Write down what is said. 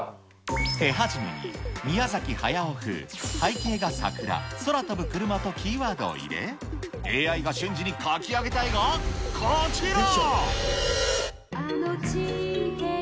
手始めに、宮崎駿風、背景が桜、空飛ぶ車とキーワードを入れ、ＡＩが瞬時に描き上げた絵がこちら。